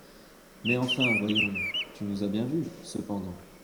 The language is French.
Mais enfin, voyons,… tu nous as bien vus, cependant.